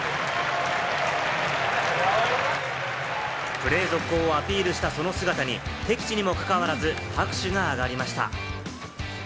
プレー続行をアピールしたその姿に敵地にも関わらず拍手が上がりました。